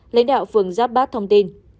lãnh đạo phương giáp bát thông tin